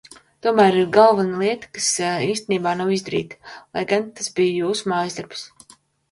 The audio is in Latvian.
Tomēr ir galvenā lieta, kas īstenībā nav izdarīta, lai gan tas bija jūsu mājasdarbs.